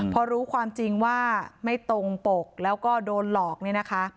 พอรู้ความจริงว่าไม่ตรงปกแล้วก็โดนหลอกเนี่ยนะคะ